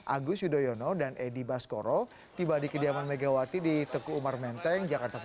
agus yudhoyono dan edi baskoro tiba di kediaman megawati di teguh umar menteng jakarta pusat